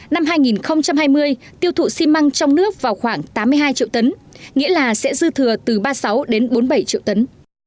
năm hai nghìn hai mươi tiêu thụ xi măng trong nước vào khoảng tám mươi hai triệu tấn nghĩa là sẽ dư thừa từ ba mươi sáu đến bốn mươi bảy triệu tấn